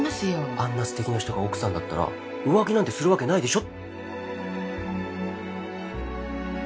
あんなすてきな人が奥さんだったら浮気なんてするわけないでしょ。